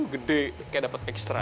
gede kayak dapet ekstra